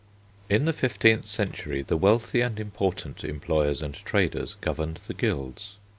In the fifteenth century the wealthy and important employers and traders governed the guilds.